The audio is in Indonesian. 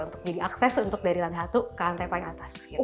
untuk jadi akses untuk dari lantai satu ke lantai paling atas